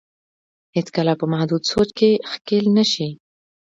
هېڅ کله په محدود سوچ کې ښکېل نه شي.